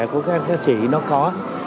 của các anh các chị nó có